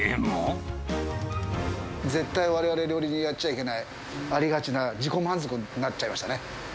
絶対われわれ料理人はやっちゃいけない、ありがちな自己満足になっちゃいましたね。